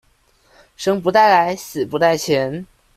生不帶來，死不帶錢